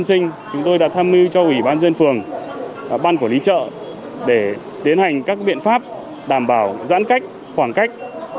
khi chúng tôi đã tham mưu cho ủy ban dân phường ban quản lý chợ để tiến hành các biện pháp đảm bảo giãn cách khoảng cách